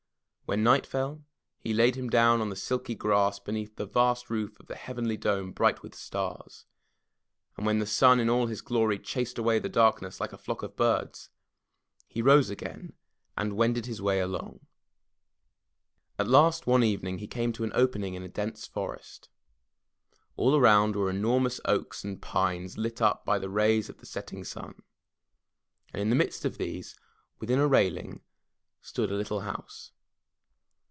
When night fell, he laid him down on the silky grass beneath the vast roof of the heavenly dome bright with stars; and when the sun in all his glory chased away the darkness like a flock of birds, he rose again and wended his way along. At last one evening he came to an opening in a dense forest. All around were enormous oaks and pines lit up by the rays of the setting sun. And in the midst of these, within a railing, stood a little house.